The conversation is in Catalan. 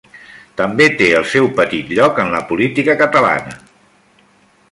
També té el seu petit lloc en la política catalana.